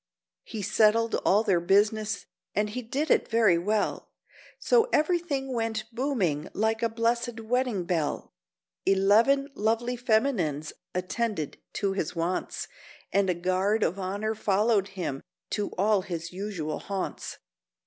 He settled all their business, and he did it very well, So everything went booming like a blessed wedding bell; Eleven lovely feminines attended to his wants, And a guard of honour followed him to all his usual haunts.